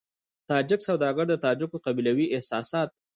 تاجک سوداګر د تاجکو قبيلوي احساسات.